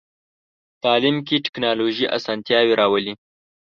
تعلیم کې ټکنالوژي اسانتیاوې راولي.